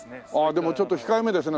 でもちょっと控えめですね。